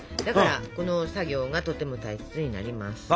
だからこの作業がとても大切になります。